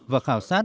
và khảo sát